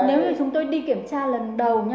nếu như chúng tôi đi kiểm tra lần đầu